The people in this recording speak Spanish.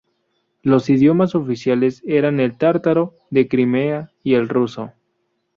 Los idiomas oficiales eran el tártaro de Crimea y el ruso.